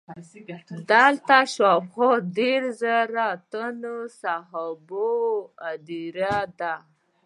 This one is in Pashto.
دلته د شاوخوا دېرش زره تنو اصحابو هدیره ده.